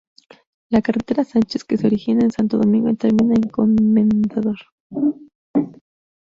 La "Carretera Sánchez", que se origina en Santo Domingo, termina en Comendador.